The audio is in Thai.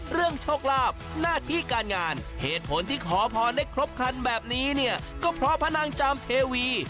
โชคลาภหน้าที่การงานเหตุผลที่ขอพรได้ครบคันแบบนี้เนี่ยก็เพราะพระนางจามเทวี